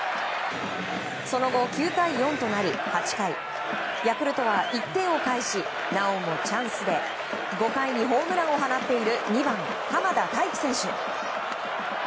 その後、９対４となり８回ヤクルトは１点を返しなおもチャンスで５回にホームランを放っている２番、濱田太貴選手。